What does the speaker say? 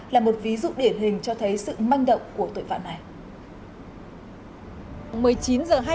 là một ví dụ điển hình cho thấy sự manh động của tội phạm này